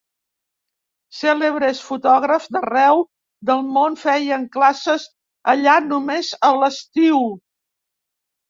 Cèlebres fotògrafs d'arreu del món feien classes allà només a l'estiu.